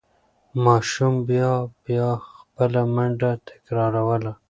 ماشوم بیا بیا خپله منډه تکراروله.